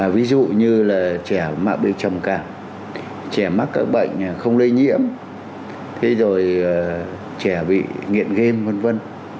ví dụ như là trẻ mạng bị trầm càng trẻ mắc các bệnh không lây nhiễm thế rồi trẻ bị nghiện game vân vân